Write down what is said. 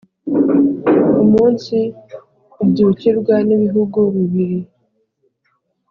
umunsi ubyukirwa n’ibihugu bibiri,